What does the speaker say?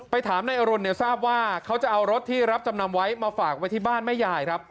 ถามนายอรุณเนี่ยทราบว่าเขาจะเอารถที่รับจำนำไว้มาฝากไว้ที่บ้านแม่ยายครับ